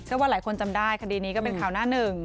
ก็ว่าหลายคนจำได้คดีนี้ก็เป็นข่าวหน้าหนึ่ง